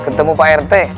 ketemu pak rt